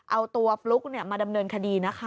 เอาตัวฟลุ๊กมาดำเนินคดีนะคะ